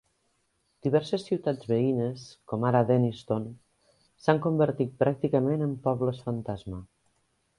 Diverses ciutats veïnes, com ara Denniston, s'han convertit pràcticament en pobles fantasma.